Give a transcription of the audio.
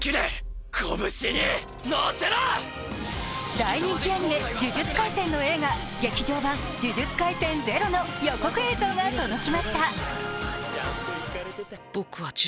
大人気アニメ「呪術廻戦」の映画、「劇場版呪術廻戦０」の予告映像がとどきました。